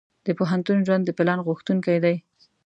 د پوهنتون ژوند د پلان غوښتونکی دی.